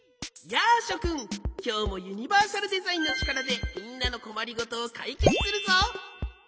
やあしょくんきょうもユニバーサルデザインのちからでみんなのこまりごとをかいけつするぞ。